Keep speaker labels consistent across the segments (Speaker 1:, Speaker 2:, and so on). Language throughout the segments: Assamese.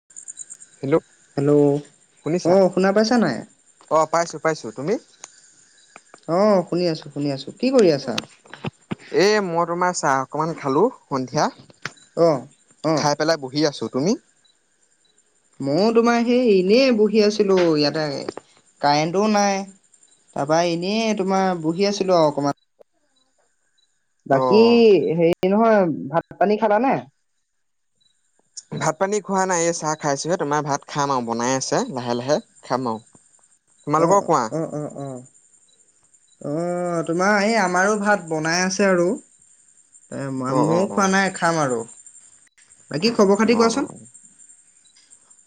Speaker 1: [unintelligible]
Speaker 2: হেল্ল'
Speaker 1: হেল্ল' অ
Speaker 2: শুনিছা
Speaker 1: শুনা পাইছা নাই
Speaker 2: অঁ পাইছোঁ পাইছোঁ তুমি?
Speaker 1: অ শুনি আছো শুনি আছোঁ।
Speaker 2: এ মই তোমাৰ চাহ অকনমান খালো সন্ধিয়া।
Speaker 1: অ অ
Speaker 2: খাই পেলাই বহি আছো তুমি?
Speaker 1: ময়ো তোমাৰ সেই এনেই বহি আছিলোঁ ইয়াতে কাৰেণ্টটোও নাই। তাৰপা এনেই তোমাৰ বহি আছিলোঁ আৰু অকণমান।
Speaker 2: অ
Speaker 1: বাকী হেৰি নহয় ভাত পানী খালানে?
Speaker 2: ভাত পানী খোৱা নাই এই চাহ খাইছোহে তোমাৰ ভাত খাম আৰু বনাই আছে লাহে লাহে। খাম আৰু
Speaker 1: উ
Speaker 2: তোমালোকৰ কোৱা
Speaker 1: অ উ উ উ অ তোমাৰ এই আমাৰো ভাত বনাই আছে আৰু, এ
Speaker 2: অ অ অ
Speaker 1: মইয়ো খোৱা নাই খাম আৰু বাকী খবৰ খাতি
Speaker 2: অ অ
Speaker 1: কোৱাচোন,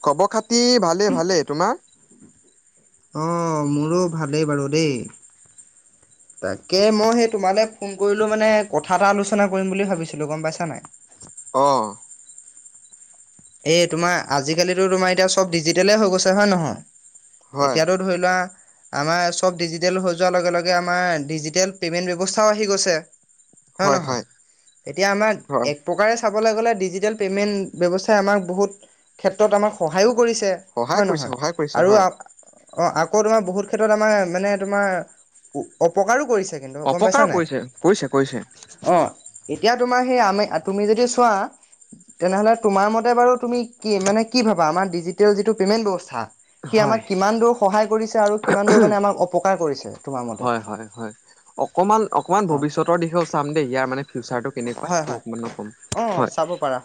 Speaker 2: খবৰ খাতি ভালেই ভালেই তোমাৰ?
Speaker 1: অঁ মোৰো ভালেই বাৰু দেই। তাকে মই সেই তোমালে ফোন কৰিলো মানে কথা এটা আলোচনা কৰিম বুলি ভাবিছিলো গম পাইছা নাই।
Speaker 2: অঁ'।
Speaker 1: এ তোমাৰ আজিকালি তোমাৰ এতিয়া চব ডিজিটলে হৈ গৈছে হয় নহয়?
Speaker 2: হয়
Speaker 1: এতিয়াতো- ধৰি লোৱা, - আমাৰ চব ডিজিটেল হৈ যোৱাৰ লগে লগে আমাৰ ডিজিটেল পে'মেণ্ট ব্যৱস্থাও আহি গৈছে। হয় নহয়? এতিয়া আমাৰ
Speaker 2: হয়
Speaker 1: এক প্ৰকাৰে চাবলৈ গলে ডিজিটেল পেইমেণ্ট ব্যৱস্থ- ঠাই আমাক বহুত ক্ষেত্ৰত আমাক সহায়ো কৰিছে
Speaker 2: সহায়
Speaker 1: হয়
Speaker 2: কৰিছে
Speaker 1: নহয়
Speaker 2: সহায় কৰিছে হয়
Speaker 1: আৰু- অ আকৌ তোমাৰ বহুত ক্ষেত্ৰত আমাৰ মানে তোমাৰ অপকাৰো কৰিছে। কিন্তু
Speaker 2: অপকাৰো কৰিছে কৰিছে কৰিছে।
Speaker 1: অঁ এতিয়া তোমাৰ সেই আমি তুমি যদি চোৱা তেনেহ'লে- তোমাৰ মতে বাৰু তুমি কি মানে কি ভাবা আমাৰ ডিজিটেল যিটো পে'মেন্ট ব্যৱস্থা সি
Speaker 2: হয়
Speaker 1: আমাক কিমান দূৰ- সহায় কৰিছে আৰু কিমান দূৰ মানে আমাক অপকাৰ কৰিছে। তোমাৰ মতে
Speaker 2: হয় হয় হয়, অকমান অকমান
Speaker 1: অ
Speaker 2: ভৱিষ্যতৰ দিশেও- চাম দেই ইয়াৰ মান ফিউচাৰ কেনেকুৱা
Speaker 1: হয় হয়
Speaker 2: তোক মানে কম।
Speaker 1: অ
Speaker 2: হয়,
Speaker 1: চাব পাৰা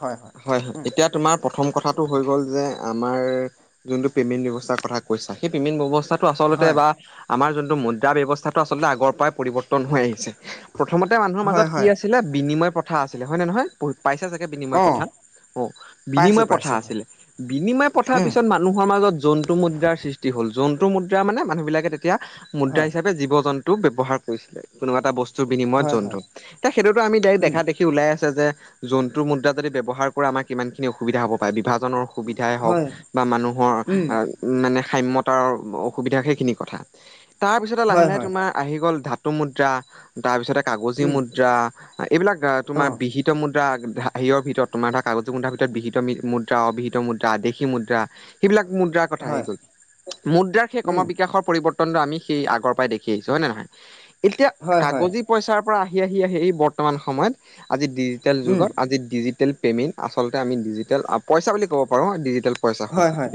Speaker 2: হয় হয়।
Speaker 1: উম
Speaker 2: এতিয়া তোমাৰ প্ৰথম কথাটো হৈ গ'ল যে আমাৰ- যোনটো পেমেণ্ট ব্যৱস্থাৰ কথা কৈছা সেই পেমেণ্ট ব্যৱস্থাত- টো আচলতে
Speaker 1: হয়
Speaker 2: বা আমাৰ যোনটো মুদ্ৰা ব্যৱস্থাটো আচলতে আগৰ পাই পৰিৱৰ্তন হৈ আহিছে। প্ৰথমতে মানুহৰ
Speaker 1: হয়
Speaker 2: মাজত কি
Speaker 1: হয়
Speaker 2: আছিলে বিনিময় প্ৰথা আছিলে হয় নে নহয়? পাইছা চাগে বিনিময়
Speaker 1: অ
Speaker 2: প্ৰথা, অঁ
Speaker 1: পাইছোঁ
Speaker 2: বিনিময় প্ৰথা
Speaker 1: পাইছোঁ হয়
Speaker 2: আছিলে। বিনিময় প্ৰথা
Speaker 1: উম
Speaker 2: পিছত মা- মানুহৰ মাজত জন্তু মুদ্ৰাৰ সৃষ্টি হ'ল, জন্তু মুদ্ৰা মানে মানুহ বিলাকে তেতিয়া
Speaker 1: হয়
Speaker 2: মুদ্ৰাই- জীৱ জন্তু ব্যৱহাৰ কৰিছিলে কোনো এটা বস্তুৰ বিনিমত
Speaker 1: হয়
Speaker 2: জন্তু
Speaker 1: হয়
Speaker 2: ত সেইটোতো আমি ডাইৰেক্ট
Speaker 1: উম
Speaker 2: দেখা দেখি- ওলাই আছে যে জন্তু মুদ্ৰা যদি ব্যৱহাৰ কৰা আমাক কিমান খিনি অসুবিধা হ'ব পাৰে বিভাজনৰ- সুবিধাই হওক
Speaker 1: হয়
Speaker 2: বা মানুহৰ
Speaker 1: উম
Speaker 2: আহ- মানে সাম্যতাৰ অসুবিধা সেইখিনি কথা তাৰ পিছতে লাহে
Speaker 1: হয়
Speaker 2: লাহে
Speaker 1: হয়
Speaker 2: তোমাৰ- আহি গ'ল ধাতু মুদ্ৰা তাৰপিছতে কাগজী
Speaker 1: উম
Speaker 2: মুদ্ৰা এইবিলাক
Speaker 1: অ
Speaker 2: তোমাৰ বিহিত- মুদ্ৰা হেয়িৰ ভিতৰত তোমাৰ ধৰা কাগজী মুদ্ৰাৰ ভিতৰত বিহিত মুদ্ৰা অবিহিত মুদ্ৰা দেশী মুদ্ৰা- সেইবিলাক মুদ্ৰাৰ কথা আহি
Speaker 1: হয়
Speaker 2: গল মুদ্ৰাৰ সেই ক্ৰম
Speaker 1: উম
Speaker 2: বিকাশৰ পৰিৱৰ্তনটো আমি সেই আগ- গৰ পাই দেখি আহিছো হয় নে নে নহয়? এতিয়া
Speaker 1: হয় হয়
Speaker 2: কাগজি- পইচাৰ পৰা আহি আহি আহি বৰ্তমান সময়ত আজি ডিজিটেল
Speaker 1: উম
Speaker 2: যুগত আজি ডিজিটেল পেমেণ্ট- আচলতে আমি ডিজিটেল পইচা বুলি ক'ব পাৰোঁ ডিজিটেল- পইচা
Speaker 1: হয় হয়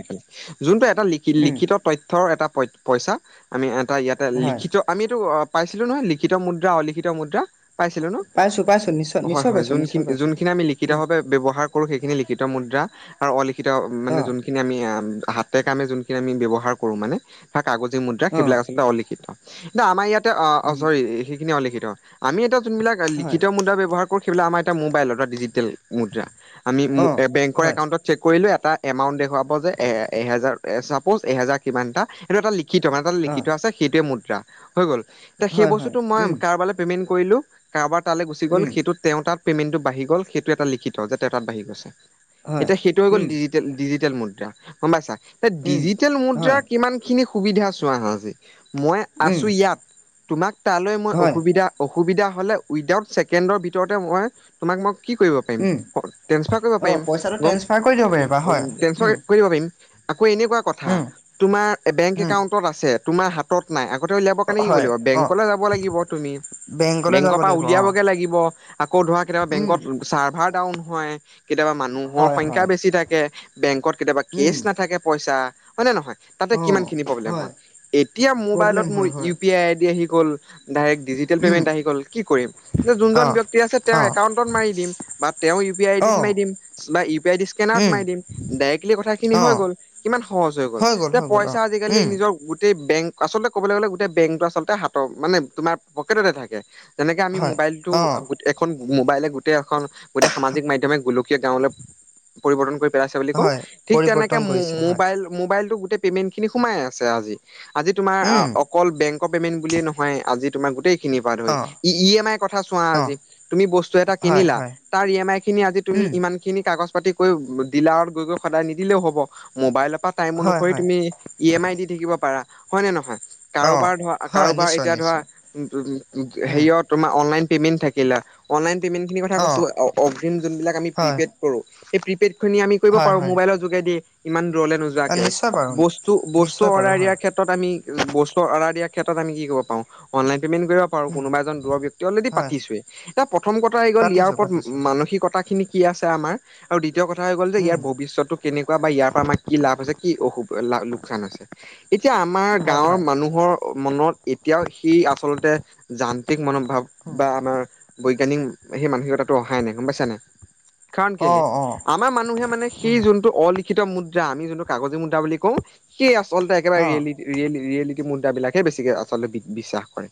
Speaker 2: জোনটো এটা
Speaker 1: উম
Speaker 2: লিখিত তথ্যৰ এটা পইচা আমি এটা ইয়াত-
Speaker 1: হয়
Speaker 2: লিখিত আমি এইটো অ পাইছিলো নহয় লিখিত মুদ্ৰা অলিখিত মুদ্ৰা। পাইছিলো ন?
Speaker 1: পাইছোঁ পাইছোঁ নিশ্চয়
Speaker 2: হয়
Speaker 1: নিশ্চয়
Speaker 2: হয়,
Speaker 1: পাইছোঁ নিশ্চয়
Speaker 2: যোনখিনি
Speaker 1: পাইছোঁ
Speaker 2: যোনখিনি আমি লিখিতভাৱে- ব্যৱহাৰ কৰো সেইখিনি লিখিত মুদ্ৰা আৰু অলিখিত মানে
Speaker 1: অঁ
Speaker 2: জোন- খিনি আমি হাতে কামে যোনখিনি আমি ব্যৱহাৰ কৰো মানে বা কাগজী মুদ্ৰা
Speaker 1: অঁ
Speaker 2: সেইবিলাক আচলতে অলি- কিন্তু আমাৰ ইয়াতে অঁ অ চৰি সেইখিনি অলিখিত আমি এটা যোনবিলাক
Speaker 1: হয়
Speaker 2: লিখিত মুদ্ৰা ব্যৱহাৰ- কৰো সেইবিলাক আমাৰ এতিয়া মবাইল অৰথাৎ ডিজিটেল মুদ্ৰা আমি
Speaker 1: অঁ
Speaker 2: বেংকৰ
Speaker 1: হয়
Speaker 2: একাউণ্টত- চেক কৰিলো এটা এমাউট দেখুৱাব যে এ এহেজাৰ চাপৌচ এহেজাৰ কিমানটা। সেইটো এটা লিখিত মানে এটা
Speaker 1: অঁ
Speaker 2: লিখিত আছে সেইটোৱে মুদ্ৰা হৈ গ'ল এতিয়া সেই
Speaker 1: হয় হয়
Speaker 2: বস্তুটো মই
Speaker 1: উম,
Speaker 2: কাৰোবালে- পেমেণ্ট কৰিলো কাৰোবাৰ তালে গুছি গ'ল
Speaker 1: উম,
Speaker 2: সেইটোত- তেওঁ তাত পেমেণ্টটো বাঢ়ি গ'ল সেইটো এটা লিখিত যে তেওঁ তাত বাঢ়ি গৈছে
Speaker 1: হয়
Speaker 2: এতিয়া সেইটো হৈ গ'ল
Speaker 1: উম,
Speaker 2: ডিজি- টেল ডিজিটেল মুদ্ৰা গম পাইছা?
Speaker 1: উম,
Speaker 2: ডিজিটেল
Speaker 1: হয়
Speaker 2: মুদ্ৰাৰ কিমান খিনি সুবিধা চোৱা হাঁ আজি। মই
Speaker 1: উম,
Speaker 2: আছো ইয়াত তোমাক তালৈ মই
Speaker 1: হয়
Speaker 2: অসুবিধা- অসুবিধা হলে উইডাউট ছেকেণ্ডৰ ভিতৰতে মই তোমাক মই কি কৰিব- পাইম ট্ৰেনচপাৰ কৰিব
Speaker 1: অঁ
Speaker 2: পাৰিম
Speaker 1: পইচাটো
Speaker 2: গম
Speaker 1: ট্ৰেন্সফাৰ কৰি দিব পাৰিবা হয়
Speaker 2: ট্ৰেনসপাৰ
Speaker 1: উম,
Speaker 2: কৰি দিব পাৰিম আকৌ এনেকুৱা কথা
Speaker 1: উম,
Speaker 2: তোমাৰ বেংক
Speaker 1: উম,
Speaker 2: একাউণ্টত আছে তোমাৰ হাতত নাই কতে উলিয়াব কাৰণে কি
Speaker 1: হয়
Speaker 2: কৰিবি লাগিব
Speaker 1: অঁ
Speaker 2: বেংকলে যাব লাগিব তুমি
Speaker 1: বেংকলৈ যাব
Speaker 2: বেংকৰ পৰা
Speaker 1: লাগিব অঁ
Speaker 2: উলিয়াবগে লাগিব আকৌ ধৰা কেতিয়াবা বেংকত চাৰ্ভাৰ ডাউন হয় কেতিয়াবা মানুহৰ
Speaker 1: হয়
Speaker 2: সংখ্যা
Speaker 1: হয়
Speaker 2: বেছি থাকে বেংকত, কেতিয়াবা কেচ নাথাকে পইচা হয় নে নহয় তাতে কিমানখিনি প্ৰব্লেম হয় এতিয়া
Speaker 1: প্ৰব্লেম
Speaker 2: মোবাইলত মোৰ
Speaker 1: হয় হয়
Speaker 2: ইউ পি আই আইডি আহি গল ডাইৰেক্ট ডিজিটেল পেমেণ্টি আহি গ'ল কি কৰিম যে যোনজন
Speaker 1: অঁ
Speaker 2: ব্যক্তি আছে তেওঁ
Speaker 1: অঁ
Speaker 2: একাউণ্টত মাৰি দিম বা তেওঁ ইউ পি আইডিত
Speaker 1: অঁ
Speaker 2: মাৰি দিম বা ইউ পি আইদি স্কেনাৰত মাৰি দিম ডাইৰেক্টলি কথাখিনি হৈ
Speaker 1: অঁ
Speaker 2: গ'ল কিমান সহজ হৈ গ'ল যে
Speaker 1: হৈ গ'ল
Speaker 2: পইচা আজিকালি
Speaker 1: অঁ
Speaker 2: নিজৰ গোতেই বেংক আচলতে ক'বলৈ গ'লে গোটেই বেংকটো আচলতে হাতৰ মানে তোমাৰ পকেটতে থাকে যেনেকে আমি
Speaker 1: হয়
Speaker 2: মোবাইলটো
Speaker 1: অ'
Speaker 2: এখন মোবাইলে গোটেই এখন গোটেই সামাজিক মাধ্যম গলো কীয় গাঁৱলে পৰিৱৰ্তন কৰি পেলাইছে বুলি কওঁ
Speaker 1: হয়
Speaker 2: ঠিক তেনেকে
Speaker 1: পৰিৱৰ্তন
Speaker 2: মু
Speaker 1: কৰিছে হয়
Speaker 2: মুবাইল মোবাইলটো গোটেই পেমেণ্টখিনি সোমাই আছে আজি, আজি তোমাৰ অ
Speaker 1: উম
Speaker 2: অকল বেংকৰ পেমেণ্টবুলিয়ে নহয় আজি তোমাৰ গোটেইখিনি পৰা ধৰি
Speaker 1: অ'
Speaker 2: ই ই এম আইৰ কথা চোৱা
Speaker 1: অ'
Speaker 2: আজি তুমি বস্তু এটা
Speaker 1: হয়
Speaker 2: কিনিলা
Speaker 1: হয়
Speaker 2: তাৰ ই এম আই খিনি আজি তুমি
Speaker 1: উম
Speaker 2: ইমান খিনি কাগজ পাতি কৰি ডিলা গৈ গৈ সদায় নিদিলেও হ'ব মোবাইলৰ পৰা টাইম
Speaker 1: হয়
Speaker 2: অনুসৰি
Speaker 1: হয়
Speaker 2: তুমি ই এম আই দি থাকিব পাৰা হয় নে নহয়
Speaker 1: অ'
Speaker 2: কাৰোবাৰ ধৰা
Speaker 1: হয়
Speaker 2: কাৰোবাৰ
Speaker 1: নিশ্চয়
Speaker 2: এতিয়া ধৰা
Speaker 1: নিশ্চয় উম
Speaker 2: হেৰিয়ত তোমাৰ অনলাইন পেমেণ্ট থাকিলা অনলাইন পে'মেণ্ট খিনি কথা কৈছো অ অফিন যোনবিলাক আমি
Speaker 1: হয়
Speaker 2: প্ৰিপেড কৰোঁ সেই প্ৰিপেড খিনি আমি কৰিব
Speaker 1: হয়
Speaker 2: পাৰো
Speaker 1: হয়
Speaker 2: মোবাইলৰ যোগেদি ইমান দূৰলে নোযো ৱাকে
Speaker 1: নিশ্চয় বাৰু
Speaker 2: বস্তু বস্তু
Speaker 1: নিশ্চয় বাৰু
Speaker 2: অৰ্ডাৰ
Speaker 1: হয়
Speaker 2: ইয়াক ক্ষেত্ৰত আমি বস্তু অৰ্ডাৰ দিয়াৰ ক্ষেত্ৰত আমি কি কৰিব পাওঁ অনলাইন পেমেণ্ট কৰিব পাৰো
Speaker 1: উম
Speaker 2: কোনোবা এজন দূৰ ব্যক্তি অলৰেডি
Speaker 1: হয়
Speaker 2: পাতিছোয়ে এতিয়া প্ৰথম কথা হৈ গ'ল ইয়াৰ
Speaker 1: পাতিছোঁ
Speaker 2: ওপৰত
Speaker 1: পাতিছোঁ হয়
Speaker 2: মানসিকতাখিনি কি আছে আমাৰ আৰু দ্বিতীয় কথা হৈ গ'ল যে ইয়াৰ
Speaker 1: উম
Speaker 2: ভৱিষ্যটো কেনেকুৱা বা ইয়াৰ পৰা আমাৰ কি লাভ আছে কি অসু লোকচান আছে। এতিয়া আমাৰ
Speaker 1: হয়
Speaker 2: গাঁৱৰ
Speaker 1: হয়
Speaker 2: মানুহৰ মনত এতিয়াও সি আচলতে যান্ত্ৰিক মন ভাৱ
Speaker 1: উম
Speaker 2: বা আমাৰ বৈজ্ঞানিক সেই মানসিকতাটো অহাই নাই গম পাইছা নাই। কাৰণ কেলে,
Speaker 1: অ' অ'
Speaker 2: আমাৰ মানুহে মানে
Speaker 1: উম
Speaker 2: সেই যোনটো অলিখিত মুদ্ৰা, আমি যোনটো কাগজী মুদ্ৰা বুলি কওঁ সেই আচলতে একেবাৰে
Speaker 1: অ'
Speaker 2: ৰিয়েলি ৰিয়েল ৰিয়েলিটি মুদ্ৰা বিলাকে বেছিকে আচলতে বিশ্বাস কৰে,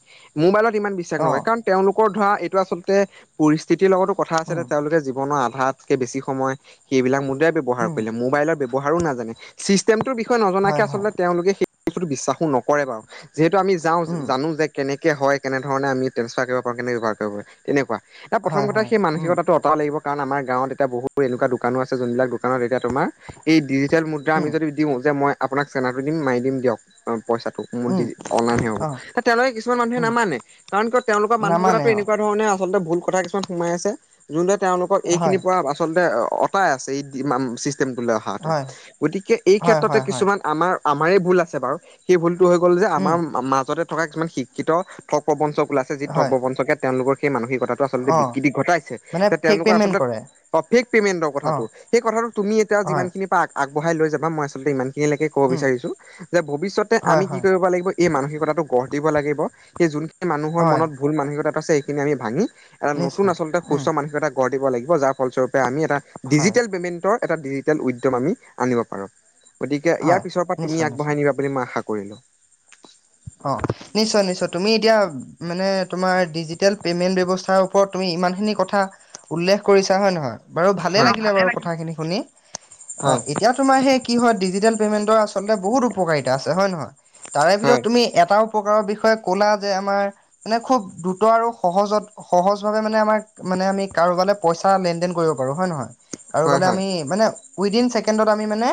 Speaker 2: মোবাইলত ইমান বিশ্বাস নকৰে।
Speaker 1: অ'
Speaker 2: কাৰণ তেওঁলোকৰ ধৰা এইটো আচলতে পৰিস্থিতিৰ লগতো কথা আছে যে
Speaker 1: উম
Speaker 2: তেওঁলোকে জীৱনৰ আধাতকে বেছি সময় সেইবিলাক মুদ্ৰায়ে ব্যৱহাৰ
Speaker 1: উম
Speaker 2: কৰিলে। মোবাইলৰ ব্যৱহাৰো নাজানে, চিষ্টেমটোৰ বিষয়ে নজনাকে
Speaker 1: হয় হয়
Speaker 2: আচলতে তেওঁলোকে সেইটো বস্তুতো বিশ্বাসো নকৰে বাঅ যিহেতু আমি যাওঁ
Speaker 1: উম
Speaker 2: জানো যে কেনেকে হয়, কেনেধৰণে আমি ট্ৰেন্সফাৰ কৰিব পাৰো, কেনে ব্যৱহাৰ কৰিব পাৰো তেনেকুৱা। প্ৰথম
Speaker 1: হয়
Speaker 2: কথা
Speaker 1: হয়
Speaker 2: সেই
Speaker 1: উম
Speaker 2: মানসিকতিটো অতৰাব লাগিব। কাৰণ আমাৰ গাঁৱত এতিয়া বহুত এনেকুৱা দোকানো আছে যোনবিলাক দোকানত এতিয়া তোমাৰ এই ডিজিটেল মুদ্ৰা আমি
Speaker 1: উম
Speaker 2: যদি দিওঁ, যে মই আপোনাক নাৰটো দিম মাৰি দিম দিয়ক অ পইচাটো মোৰ
Speaker 1: উম
Speaker 2: অনলাইন হে হ'ব,
Speaker 1: অ'
Speaker 2: তেওঁলোকে কিছুমান মানুহে
Speaker 1: উম
Speaker 2: নামানে। কাৰণ কিয় তেওঁলোকৰ
Speaker 1: নামানে
Speaker 2: মানসিকতাটো
Speaker 1: অ'
Speaker 2: এনেকুৱা ধৰণে আচলতে ভুল কথা কিছুমান সোমাই আছে যোনটো তেওঁলোকক
Speaker 1: হয়
Speaker 2: এইখিনিৰ পৰা আচলতে অতাই আছে এই ইমান চিষ্টেমটোলে অহা আগতে
Speaker 1: হয়
Speaker 2: গতিকে এই
Speaker 1: হয়
Speaker 2: ক্ষেত্ৰতে
Speaker 1: হয় হয়
Speaker 2: কিছুমান আমাৰ আমাৰে ভুল আছে বাৰু সেই ভুলটো হৈ গ'ল যে আমাৰ
Speaker 1: উম,
Speaker 2: মাজতে থকা কিছুমান শিক্ষিত ঠগ প্ৰবঞ্চ ওলাইছে, যি ঠগ
Speaker 1: হয়,
Speaker 2: প্ৰবঞ্চকে তেওঁলোকৰ সেই মানসিকতাটো আলতে
Speaker 1: অঁ,
Speaker 2: বিকৃতি ঘটাই
Speaker 1: মানে ফেক
Speaker 2: তেওঁলোকৰ
Speaker 1: পে'মেণ্ট
Speaker 2: আচলতে
Speaker 1: কৰে,
Speaker 2: সেই ফেক পেমেণ্টৰ কথাটো
Speaker 1: অঁ,
Speaker 2: সেই তুমি এতিয়া যিমান
Speaker 1: হয়,
Speaker 2: পাক আগবঢ়াই লৈ যাবা। মই আচলতে ইমান খিনিলৈকে ক'ব
Speaker 1: উম,
Speaker 2: বিচাৰিছো যে ভবিষ্যতে
Speaker 1: হয়,
Speaker 2: আমি কি
Speaker 1: হয়,
Speaker 2: কৰিব লাগিব এই মানসিকতাটো গঢ় দিব লাগিব সেই যোনখিনি মানুহৰ
Speaker 1: হয়,
Speaker 2: মনত ভুল মানসিকতাটো আছে সেইখিনি আমি ভাঙি এটা নতুন
Speaker 1: নিশ্চয়,
Speaker 2: আচলতে
Speaker 1: উম,
Speaker 2: সুস্থ মানসিকতা এটা গঢ় দিব লাগিব যাৰ ফলস্বৰপে আমি এটা
Speaker 1: হয়,
Speaker 2: ডিজিটেল পে'মেণ্টৰ এটা ডিজিটেল উদ্যম আমি আনিব পাৰো। গতিকে ইয়াৰ
Speaker 1: হয়,
Speaker 2: পিছৰ পৰা তুমি
Speaker 1: নিশ্চয়,
Speaker 2: আগবঢ়াই
Speaker 1: নিশ্চয়,
Speaker 2: নিবা। বুলি মই আশা কৰিলোঁ।
Speaker 1: অ' নিশ্চয় নিশ্চয়, তুমি এতিয়া মানে তোমাৰ ডিজিটেল পেমেণ্ট ব্যৱস্থা ওপৰত তুমি ইমানখিনি কথা উল্লেখ কৰিছা হয় নে নহয়। বাৰু ভালেই
Speaker 2: হয়
Speaker 1: লাগিলে বাৰু কথাখিনি শুনি। অ'
Speaker 2: হয়
Speaker 1: এতিয়া তোমাৰ সেই কি হয় ডিজিটেল পেমেন্টৰ আচলতে বহুত উপকাৰিতা আছে হয় নহয়। তাৰে ভিতৰত তুমি এটা উপকাৰৰ বিষয়ে ক'লা যে আমাৰ মানে খুব দ্ৰুত আৰু সহজত সহজ ভাৱে মানে আমাক মানে আমি কাৰোবালৈ পইচা লেন দেেন কৰিব পাৰো হয় নহয়। আৰু
Speaker 2: হয়
Speaker 1: মানে
Speaker 2: হয়
Speaker 1: আমি মানে উইদিন ছেকেণ্ডত আমি মানে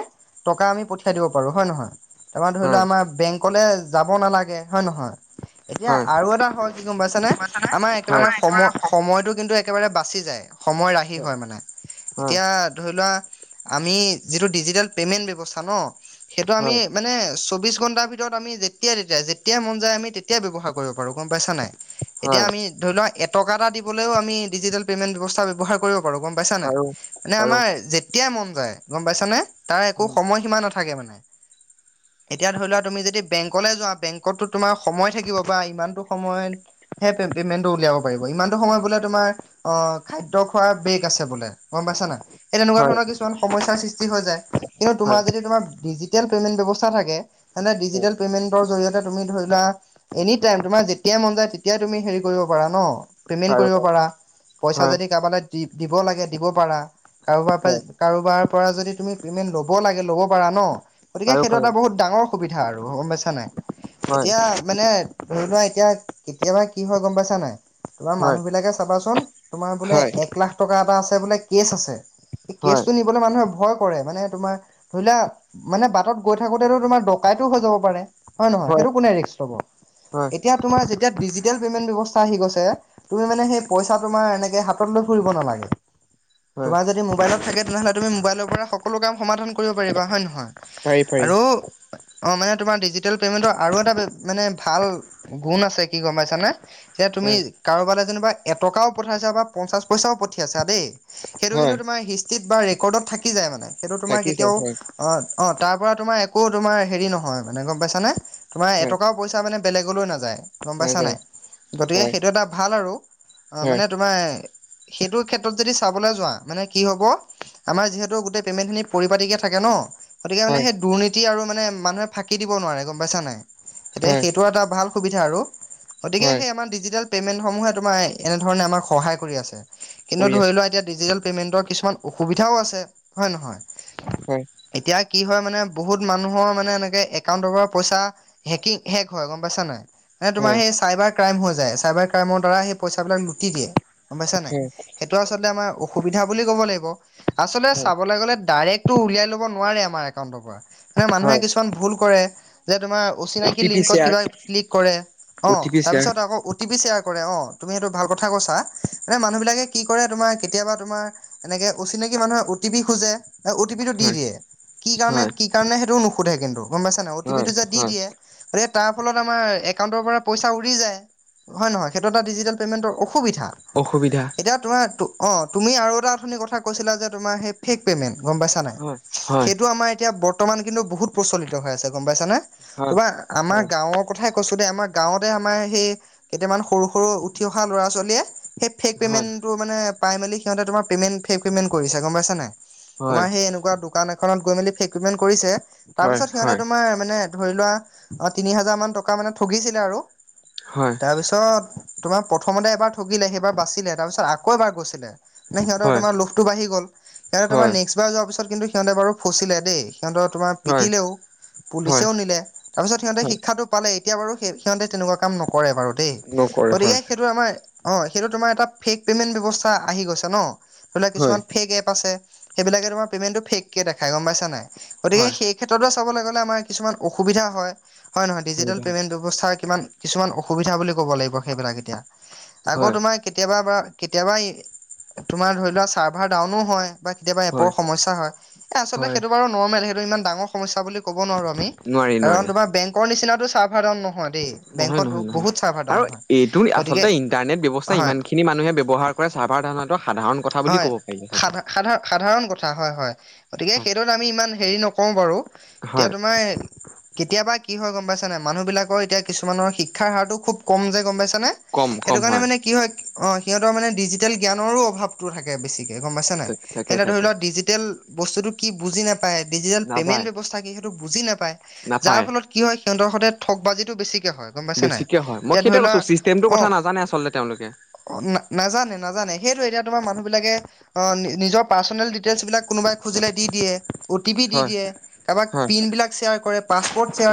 Speaker 1: টকা আমি পঠিয়াই দিব পাৰো হয় নহয়। তাৰমানৰা ধৰি লোৱা
Speaker 2: হয়
Speaker 1: আমাৰ বেংকলে যাব নালাগে হয় নে নহয়। এতিয়া
Speaker 2: হয়
Speaker 1: আৰু এটা হয় কি গম পাইছানে আমাৰ
Speaker 2: হয়
Speaker 1: একেবাৰে সময় সময়টো কিন্তু একেবাৰে বাচি যায়। সময় ৰাহি হয় মানে।
Speaker 2: হয়
Speaker 1: এতিয়া ধৰি লোৱা আমি যিটো ডিজিটেল পেমেন্ট ব্যৱস্থা ন সেইটো আমি
Speaker 2: হয়
Speaker 1: মানে চৌবিশ ঘন্টাৰ ভিতৰত ভিতৰত আমি যেতিয়াই তেতিয়া যেতিয়াই মন যায় আমি তেতিয়াই ব্যৱহাৰ কৰিব পাৰো গম পাইছা নাই। এতিয়া
Speaker 2: হয়
Speaker 1: আমি ধৰি লওক এটকা এটা দিবও আমি ডিজিটেল পে'মেণ্ট ব্যৱস্থা ব্যৱহাৰ কৰিব পাৰোঁ। গ'ম পাইছা নে?
Speaker 2: পাৰো
Speaker 1: মানে
Speaker 2: পাৰো
Speaker 1: আমাৰ যেতিয়াই মন যায় গম পাইছানে? তাৰ একো সময় সীমা নাথাকে মানে, এতিয়া ধৰি লোৱা তুমি যদি বেংক বেংকলে যোৱা, বেংকতটো তোমাৰ সময় থাকিব বা ইমানটো সময়ত হে পে'মেণ্টটো উলিয়াব পাৰিব, ইমান টো সময় বোলে তোমাৰ অ খাদ্য খোৱাৰ বেগ আছে বোলে, গম পাইছা না এই তেনেকুৱা
Speaker 2: হয়
Speaker 1: ধৰণৰ কিছু ন সমস্যাৰ সৃষ্টি হৈ যায়, কিন্তু তোমাৰ
Speaker 2: হয়
Speaker 1: যদি ডজিটেল পেমেণ্ট বৱস্থা থাকে তেনে
Speaker 2: হয়
Speaker 1: ডিজিটেল টেল পেমেণ্টৰ জৰিয়তে তুমি ধৰিলোৱা এনি টাইম যেতিয়াই মন যায় তেতিয়াই তুমি হেৰি কৰিব পাৰা ন। পেমেন্ট কৰিব
Speaker 2: পাৰো পাৰো
Speaker 1: পাৰা, পইচা
Speaker 2: হয়
Speaker 1: যদি কাৰবালৈ দি দিব লাগে দিব পাৰা কাৰোবাৰ পৰা
Speaker 2: হয়
Speaker 1: কাৰোবাৰ পৰা যদি তুমি পেমেণ্ট ল'ব লাগে ল'ব পাৰা, ন গতিকে
Speaker 2: পাৰো
Speaker 1: সেইটো
Speaker 2: পাৰো
Speaker 1: এটা বহুত ডাঙৰ সুবিধা আৰু গ'ম পাইছা নে নাই।
Speaker 2: হয়
Speaker 1: এতিয়া মানে ধৰি লোৱা এতিয়া, কেতিয়াবা কি হয় গ'ম পাইছা নাই। তোমাৰ
Speaker 2: হয়
Speaker 1: মানুহ বিলাকে চাবাচোন তোমাৰ বোলে
Speaker 2: হয়
Speaker 1: এক লাখ টকা এটা আছে বোলে কেচ আছে। এই
Speaker 2: হয়
Speaker 1: কেছটো নি মানুহে ভয় কৰে মানে তোমাৰ ধৰি লোৱা মানে বাটত গৈ থাকোতেতো তোমাৰ ডকাই হয় যাব পাৰে হয় নহয় সেইটো কোনে ৰিস্ক লব
Speaker 2: হয়
Speaker 1: এতিয়া তোমাৰ যেতিয়া ডিজিটেল পে'মেণ্ট ব্যৱস্থা আহি গৈছে তুমি মানে সেই পইচা তোমাৰ এনেকে হাতত লৈ ফুৰিব নালাগে।
Speaker 2: হয়
Speaker 1: তোমাৰ যদি মোবাইলত থাকে তেনেহলে তুমি মোবাইলৰ পৰা সকলো কাম সমাধান কৰিব পাৰিবা হয়
Speaker 2: পাৰি
Speaker 1: নহয়
Speaker 2: পাৰি
Speaker 1: আৰু অ', মানে তোমাৰ ডিজিটেল পেমেণ্টৰ আৰু এটা মানে ভাল গুণ আছে কি গম পাইছানে এতিয়া তুমি
Speaker 2: হয়
Speaker 1: কাৰোবালৈ যেনিবা এটকাও পঠাইছা বা পঞ্চাছ পইচাও পঠিয়াইছা দেই সেইটো
Speaker 2: হয়
Speaker 1: কিন্তু তোমাৰ হিষ্টিত বা ৰেকৰ্ডত থাকি যায় মানে সেইটো তোমাৰ
Speaker 2: থাকি যায়
Speaker 1: কেতিয়াও
Speaker 2: হয়
Speaker 1: অঁ', অঁ', তাৰ পৰা তোমাৰ একো তোমাৰ হেৰি নহয় মানে গম পাইছানে তোমাৰ
Speaker 2: হয়
Speaker 1: এটকাও পইচা মানে বেলেগলৈ নাযায় গম পাইছা
Speaker 2: নাযায়
Speaker 1: নাই গতিকে
Speaker 2: হয়
Speaker 1: সেইটো এটা ভাল আৰু। অ',
Speaker 2: হয়
Speaker 1: মানে তোমাৰ সেইটো ক্ষেত্ৰত যদি চাবলৈ যোৱা মানে কি হব আমাৰ যিহেতু গোটেই পেমেণ্ট খিনি পৰিপাটিকে থাকে ন'! গতিকে মানে
Speaker 2: হয়
Speaker 1: সেই দুৰ্নীতি আৰু মানে মানুহে ফাঁকি দিব নোৱাৰে গম পাইছা নাই। এতিয়া
Speaker 2: হয়
Speaker 1: সেইটো এটা ভাল। সুবিধা আৰু গতিকে
Speaker 2: হয়
Speaker 1: সেই আমাৰ ডিজিটেল পে'মেণ্টসমূহে তোমাৰ এনেধৰণে আমাক সহায় কৰি আছে। কিন্তু
Speaker 2: কৰি
Speaker 1: ধৰি
Speaker 2: আছো
Speaker 1: লোৱা এতিয়া ডিজিটেল পেমেন্টৰ কিছুমান অসুবিধাও আছে। হয় নহয়।
Speaker 2: হয়
Speaker 1: এতিয়া কি হয় মানে বহুত মানুহৰ মানে এনেকে একাউণ্ট পৰা পইচা হেকিং হেক হয় গম পাইছা নাই তোমৰ
Speaker 2: হয়
Speaker 1: হেই চাইবাৰ কাইম হৈ যায় চাইবাৰ ক্ৰাইমৰ দ্বাৰ সেইচাবিলাক লুটি দিয়ে গম পাইছা নাই।
Speaker 2: হয়
Speaker 1: সেইটো আচলতে আমাৰ অসুবিধা বুলি ক'ব লাগিব আচলতে
Speaker 2: হয়
Speaker 1: চাবলৈ গলে ডাইৰেক্ট টো উলিয়াই ল'ব নোৱাৰে আমাৰ একাউন্টৰ পৰা মানে মানুহে
Speaker 2: হয়
Speaker 1: কিছুমান ভুল কৰে যে তোমাৰ
Speaker 2: অ
Speaker 1: অচিনাকি
Speaker 2: টি পি
Speaker 1: লিংকত
Speaker 2: শ্বেয়াৰ
Speaker 1: কিবা ক্লিক কৰে
Speaker 2: অ
Speaker 1: অৱ',
Speaker 2: টি পি শ্বেয়াৰ
Speaker 1: তাৰপিছত আকৌ অ তি পি শেয়াৰ কৰে অৱ‌, তুমি সেইটো ভাল কথা কৈছা মানে মানুহ বিলাকে কি কৰে তোমাৰ কেতিয়াবা তোমাৰ এনেকে অচিনাকি মানুহে অ টি পি খোজে। এ অ টি পি টো দি
Speaker 2: হয়
Speaker 1: দিয়ে কি কাৰণে
Speaker 2: হয়
Speaker 1: কি কাৰণে সেইটোও নুসুধে কিন্তু গম পাইছ নাই অ' টি
Speaker 2: হয়
Speaker 1: পিটো যে দি
Speaker 2: হয়
Speaker 1: দিয়ে। গতিকে তাৰ ফলত আমাৰ একাউন্টৰ পৰা পইচা উৰি যায়। হয় নহয় সেইটো এটা ডিজিটেল পে'মেতৰ অসুবিধা।
Speaker 2: অসুবিধা।
Speaker 1: এতিয়া তোমাৰ অৱ', তুমি আৰু এটা আথনি কথা কৈছিলা যে তোমাৰ সেই ফেক পেমেন্ট গম পাইছা নাই
Speaker 2: হয় হয়
Speaker 1: সেইটো আমাৰ এতিয়া বৰ্তমান কিন্তু বহুত প্ৰচলিত হৈ আছে গম পাইছা নে।
Speaker 2: হয়
Speaker 1: তোমা আমাৰ
Speaker 2: হয়
Speaker 1: গাঁৱক কথাই কৈছো দে আমাৰ গাঁৱতে আমাৰ সেই কেইটামান সৰু সৰু উঠি অহা ল'ৰা ছোৱালীয়ে, সেই ফেক
Speaker 2: হয়,
Speaker 1: পে'মেণ্টটো মানে পাইমেলি তোমাৰ পেমেণ্ট ফেক পেমেণ্ট কৰিছে গম পইচা নে নাই!
Speaker 2: হয়,
Speaker 1: তোমাৰ সেই এনেকুৱা দোকান এখনত গৈ মেলি ফেক পেমেণ্ট কৰিছে তাৰ
Speaker 2: হয়,
Speaker 1: পিছত সিহঁতে
Speaker 2: হয়,
Speaker 1: তোমাৰ মানে ধৰি লোৱা অ', তিনি হাজাৰ মান টকা মানে ঠগিছিলে আৰু
Speaker 2: হয়।
Speaker 1: তাৰপিছত তোমাৰ প্ৰথমতে এবাৰ ঠগিলে সেইবাৰ বাচিলে তাৰপিছত আকৌ এবাৰ গৈছিলে। নে সিহঁতে
Speaker 2: হয়,
Speaker 1: তোমাৰ লোকটো বাঢি গ'ল সিহঁতে তোমাৰ,
Speaker 2: হয়,
Speaker 1: নেচ কিবা যোৱাৰ পিছত কিন্তু সিহঁতে বাৰু ফচিলে দেই সিহঁত তোমাৰ
Speaker 2: হয়,
Speaker 1: পিটিলেও
Speaker 2: হয়,
Speaker 1: পুলিচেও নিলে। তাৰপিছত সিহঁতে
Speaker 2: হয়,
Speaker 1: শিক্ষাটো পালে। এতিয়া বাৰু সিহঁতে তেনেকুৱা কাম নকৰে বাৰু। দেই
Speaker 2: নকৰে
Speaker 1: গতিকে
Speaker 2: হয়,
Speaker 1: সেইটো আমাৰ অৱ, সেইটো তোমাৰ এ ফেক পেমেন্ট ব্যয়স্থা আহি গৈছে ন'। ধৰি লোৱা
Speaker 2: হয়,
Speaker 1: কিছুমান ফেক এপ আছে সেইবিলাকে তোমাৰ পে'মেণ্টটো ফেকে দেখাই গম পাইা নাই গতিকে
Speaker 2: হয়,
Speaker 1: সেইক্ষেত্ৰ চাবলৈগলে আমাৰ কিছুমান অসুবিধা হয়। হয় নহয় ডিজিটেল
Speaker 2: অসুবিধা হয়,
Speaker 1: পেমেণ্টটো। ব্যস্থাৰ কিমান কিছুমান অসুবিধা বুলি ক'ব লাগিব সেইবিলাক এতিয়া। আকৌ
Speaker 2: হয়,
Speaker 1: তোমাৰ কেতিয়াবা বা কেতিয়াবা তোমাৰ ধৰি লোৱা চাৰ্ভাৰ ডাউনো হয়। বা কেতিয়াবা এপৰ
Speaker 2: হয়,
Speaker 1: সমস্যা হয় এ আচলতে
Speaker 2: হয়,
Speaker 1: সেইটো বাৰু নৰ্মেল সেইটো ইমান ডাঙৰ সমস্যা বুলি ক'ব নোৱাৰো আমি।
Speaker 2: নোৱাৰি,
Speaker 1: কাৰণ
Speaker 2: নোৱাৰি,
Speaker 1: তোমাৰ বেংকৰ নিচিনাতো চাভাৰ দাউন নহয়। দেই
Speaker 2: নহয়
Speaker 1: বেংকত
Speaker 2: নহয় নহয়
Speaker 1: বহুত চাৰ্ভাৰ ডাউন
Speaker 2: আৰু
Speaker 1: হয়
Speaker 2: এইটো
Speaker 1: গতিকে
Speaker 2: আচলতে ইন্টাৰনেট ব্যৱস্থা
Speaker 1: হয়
Speaker 2: ইমান খিনি মানুহে ব্যৱহাৰ চাভাৰ ডাউন হোৱাটো সাধাৰণ কথা বুলি ক'ব পাৰি আচলতে।
Speaker 1: সাধাৰ সাধাৰণ কথা হয় হয়। গতিকে
Speaker 2: হয়,
Speaker 1: সেইটোত আমি ইমান হেৰি নকৰোও বাৰু এতিয়া
Speaker 2: হয়
Speaker 1: তোমাৰ কেতিয়াবা কি হয় গম পাইছা নাই, মানুহ বিলাকৰ এতিয়া কিছুমানৰ শিক্ষাৰ হাৰতটো খুব কম যে গম পাইছে পাইছানে,
Speaker 2: কম,
Speaker 1: সেইটো
Speaker 2: কম
Speaker 1: কাৰণে মানে কি হয় অ সিহঁতৰ মানে ডিজিটেল জ্ঞানৰো অভাৱ টু থাকে বেছিকে গম পাইছা নাই!
Speaker 2: থাকে,
Speaker 1: সেতে ধৰি
Speaker 2: থাকে,
Speaker 1: ল ডিজিটেল বস্ততু কি বুজি নাপায়। নাপায় ডিজিটেল পেমেণ্ট
Speaker 2: নাপায়,
Speaker 1: ব্যৱস্থা কি সেইটো বুজি নাপায় যাৰ
Speaker 2: নাপায়।
Speaker 1: ফলত কি হয় সিহঁতৰ সৈতে ঠগ বাজিটো বেছিকে হয়। গম পাইছ নাই।
Speaker 2: বেছিকে হয়, মই
Speaker 1: এতিয়া ধৰি
Speaker 2: সেইটোৱে
Speaker 1: লোৱা
Speaker 2: কৈছো চিষ্টেমটোৰ
Speaker 1: অৱ
Speaker 2: কথা নাজানে আচলতে তেওঁলোকে,
Speaker 1: অ ন নাজানে নাজানে সেইটো এতিয়া তোমাৰ মানুহ বিলাকে অহ নিজৰ পাৰ্চনেল ডিটেইলছ বিলাক কোনোবাই। খুজিলে দি দিয়ে অ টি পি দি
Speaker 2: হয়,
Speaker 1: দিয়ে কাবাক
Speaker 2: হয়।
Speaker 1: পিন বিলাক চেয়াৰ কৰে পাছপ'ৰ্ট চেয়াৰ।